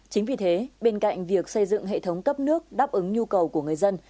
chính vì thế bên cạnh việc xây dựng hệ thống cấp nước đáp ứng nhu cầu của người dân